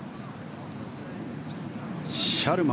シャルマ。